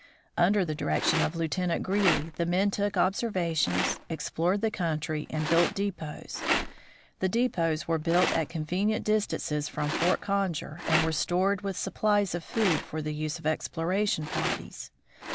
Under the direction of Lieutenant Greely, the men took observations, explored the country, and built depots. The depots were built at convenient distances from Fort Conger, and were stored with supplies of food for the use of explor ing parties.